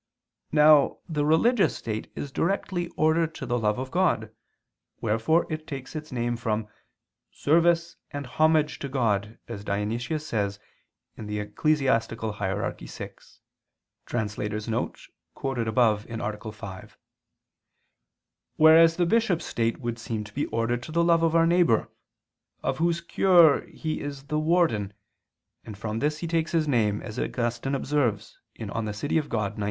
Now the religious state is directly ordered to the love of God, wherefore it takes its name from "service and homage to God," as Dionysius says (Eccl. Hier. vi); [*Quoted above A. 5] whereas the bishop's state would seem to be ordered to the love of our neighbor, of whose cure he is the "warden," and from this he takes his name, as Augustine observes (De Civ. Dei.